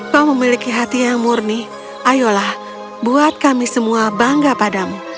kau memiliki hati yang murni ayolah buat kami semua bangga padamu